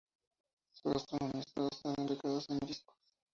Su gastronomía está basada en pescados y mariscos.